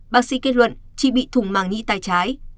bác sĩ kết luận chị bị thùng màng nhĩ tay trái